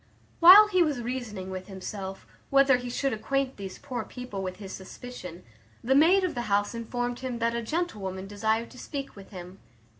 While he was reasoning with himself, whether he should acquaint these poor people with his suspicion, the maid of the house informed him that a gentlewoman desired to speak with him.